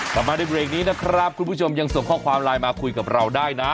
กลับมาในเบรกนี้นะครับคุณผู้ชมยังส่งข้อความไลน์มาคุยกับเราได้นะ